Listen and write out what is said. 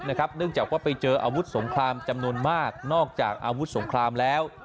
เนื่องจากว่าไปเจออาวุธสงครามจำนวนมากนอกจากอาวุธสงครามแล้ว